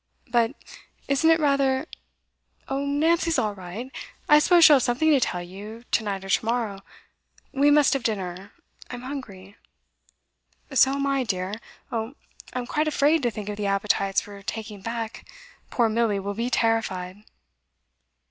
'But isn't it rather ?' 'Oh, Nancy is all right. I suppose she'll have something to tell you, to night or to morrow. We must have dinner; I'm hungry.' 'So am I, dear. Oh, I'm quite afraid to think of the appetites we're taking back. Poor Milly will be terrified.